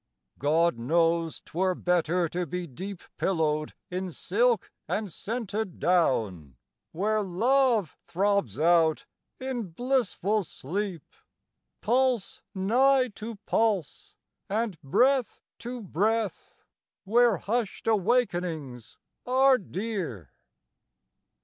God knows 'twere better to be deep Pillowed in silk and scented down, Where Love throbs out in blissful sleep, Pulse nigh to pulse, and breath to breath, Where hushed awakenings are dear